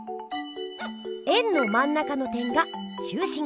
円のまん中の点が「中心」。